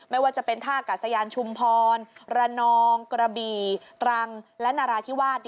ไม่ว่าจะเป็นท่ากาศยานชุมพรระนองกระบี่ตรังและนาราธิวาส